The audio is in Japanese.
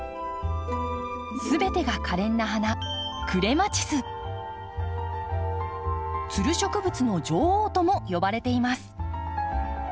全てが可憐な花つる植物の女王とも呼ばれています。